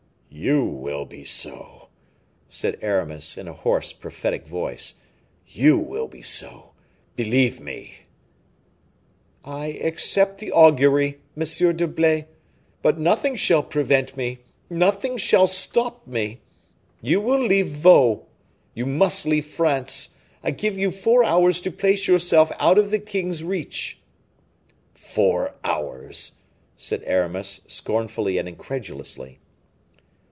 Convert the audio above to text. "You will be so," said Aramis, in a hoarse, prophetic voice, "you will be so, believe me." "I accept the augury, Monsieur d'Herblay; but nothing shall prevent me, nothing shall stop me. You will leave Vaux you must leave France; I give you four hours to place yourself out of the king's reach." "Four hours?" said Aramis, scornfully and incredulously.